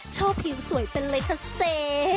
โชคผิวสวยเป็นไรคะเซ